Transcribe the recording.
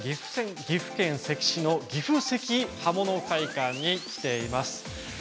岐阜県関市の岐阜関刃物会館に来ています。